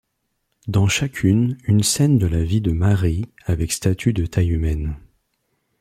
Dans chacune une scène de la vie de Marie avec statues de taille humaine.